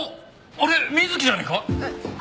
あれ水木じゃねえか？